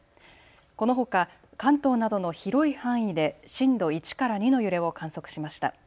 このほか関東などの広い範囲で震度１から２の揺れを観測しました。